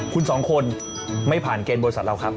คุณสองคนไม่ผ่านเกณฑ์บริษัทเราครับ